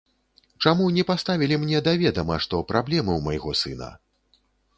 Чаму не паставілі мне да ведама, што праблемы ў майго сына?